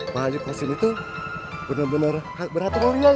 pak haji kostin itu benar benar berhati hati